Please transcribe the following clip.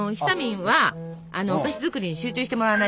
はい。